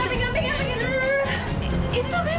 tidak tidak ada suara apa